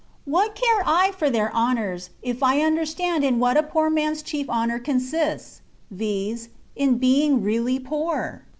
What care I for their honoiu's, if I understand in what a poor man's chief honour consists — ^viz., in being really poor